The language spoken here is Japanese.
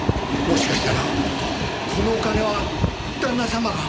もしかしたらこのお金は旦那様が。